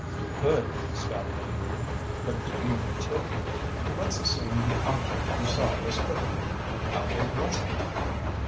"We could," Scotty agreed, "but do we need to? Let's assume the object you saw was typical. How big was it?"